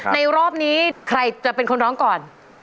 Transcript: รอบนี้ใครจะเป็นคนร้องก่อน